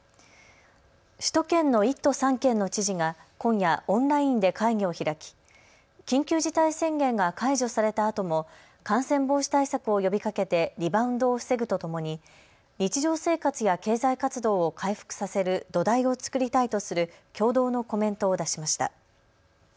首都圏の１都３県の知事が今夜、オンラインで会議を開き緊急事態宣言が解除されたあとも感染防止対策を呼びかけてリバウンドを防ぐとともに日常生活や経済活動を回復させる土台を作りたいとする共同のコメントを出しました。